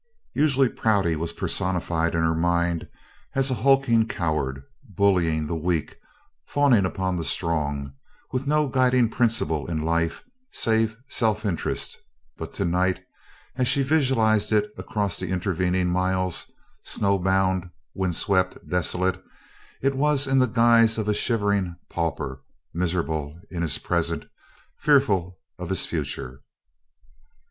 Usually Prouty was personified in her mind as a hulking coward, bullying the weak, fawning upon the strong, with no guiding principle in life save self interest, but to night, as she visualized it across the intervening miles, snow bound, wind swept, desolate, it was in the guise of a shivering pauper, miserable in his present, fearful of his future.